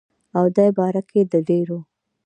او دې باره کښې دَ ډيرو